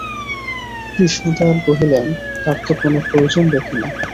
কৃষ্ণদয়াল কহিলেন, তার তো কোনো প্রয়োজন দেখি নে।